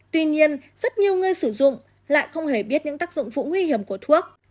tuy nhiên rất nhiều người sử dụng lại không hề biết những tác dụng phụ nguy hiểm của thuốc